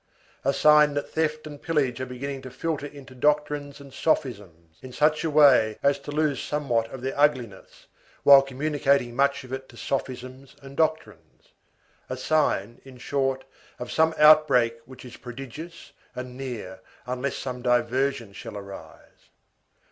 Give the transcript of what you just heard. A sign that theft and pillage are beginning to filter into doctrines and sophisms, in such a way as to lose somewhat of their ugliness, while communicating much of it to sophisms and doctrines. A sign, in short, of some outbreak which is prodigious and near unless some diversion shall arise.